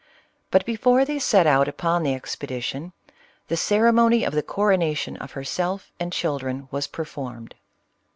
But before they set out upon the expedition, the ceremony of the coronation of herself and children was performed.